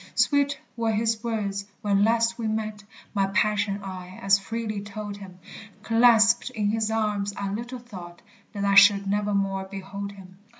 Sweet were his words when last we met; My passion I as freely told him! Clasped in his arms, I little thought That I should nevermore behold him!